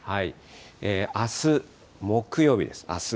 あす木曜日です、あす。